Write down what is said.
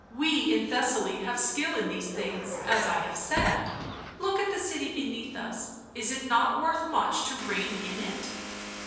"We in Thessaly have skill in these things, as I have said. ... Look at the city beneath us — is it not worth much to reign in it?"